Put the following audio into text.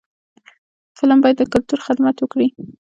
فلم باید د کلتور خدمت وکړي